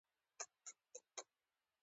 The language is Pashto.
دا د ځمکنیو وسوسو کمول دي.